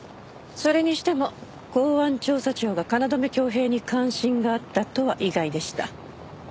それにしても公安調査庁が京匡平に関心があったとは意外でした。